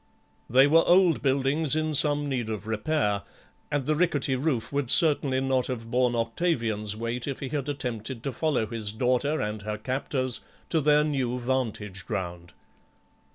They were old buildings in some need of repair, and the rickety roof would certainly not have borne Octavian's weight if he had attempted to follow his daughter and her captors on their new vantage ground.